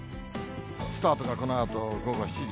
スタートがこのあと午後７時。